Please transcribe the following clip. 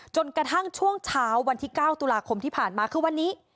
จนกระทั่งช่วงเช้าวันที่๙ตุลาคมที่ผ่านมาคือวันนี้